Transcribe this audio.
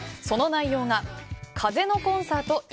その内容が、風のコンサート